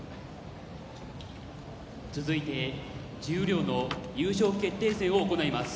続いて十両の優勝決定戦を行います。